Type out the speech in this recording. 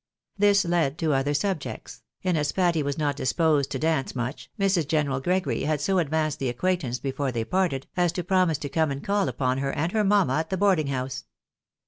This led to other subjects ; and as Patty was not disposed to dance much, !Mrs. General Gregory had so advanced the acquaintance before they parted, as to promise to come and call uj)on her and her mamma at the boarding house.